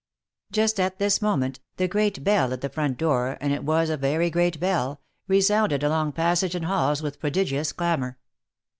Just at this moment, the great bell at the front door, and it was a very great bell, resounded along passage and halls with prodigious clamour.